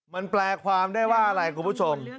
มันแปลความได้ว่าอะไรคุณผู้ชม